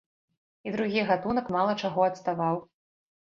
І другі гатунак мала чаго адставаў.